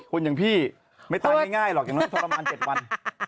คนอย่างพี่ไม่ตายง่ายหรอกอย่างนั้นทรมาน๗วัน